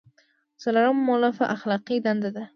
څلورمه مولفه اخلاقي دنده ده.